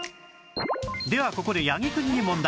ではここで八木くんに問題